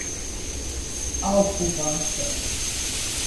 Alcobaça